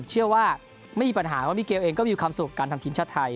เชื่อว่าไม่มีปัญหาเพราะมิเกลเองก็มีความสุขการทำทีมชาติไทย